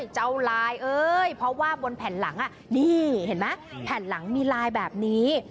เจ้าลายเอ้ยเพราะว่าบนแผ่นหลังนี่เห็นไหมแผ่นหลังมีลายแบบนี้